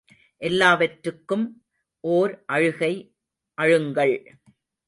எல்லாவற்றுக்கும் ஓர் அழுகை அழுங்கள்.